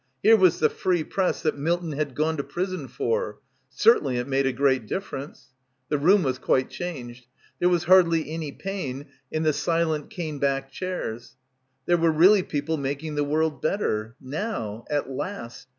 Here was the free Press that Milton had gone to prison for. Certainly it made a great difference. The room was quite — 107 — PILGRIMAGE changed. There was hardly any pain in the silent oane seated chairs. There were really people making the world better. Now. At last.